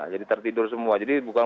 jadi tertidur semua jadi bukan